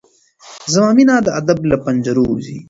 زما مينه د ادب له پنجرو وځي